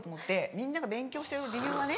みんなが勉強してる理由はね